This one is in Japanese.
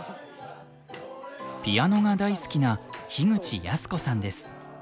ピアノが大好きな口泰子さんです。